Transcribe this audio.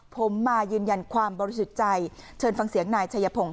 ผมมายืนยันความบริสุทธิ์ใจเชิญฟังเสียงนายชัยพงศ